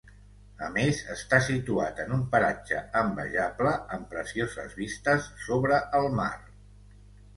A més, està situat en un paratge envejable amb precioses vistes sobre el mar.